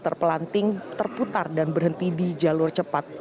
terpelanting terputar dan berhenti di jalur cepat